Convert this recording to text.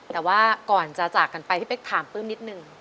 แต่ว่าก่อนจะจากกันไปพี่เป๊กถามปื้มนิดนึง